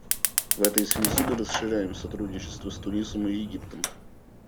В этой связи мы расширяем сотрудничество с Тунисом и Египтом.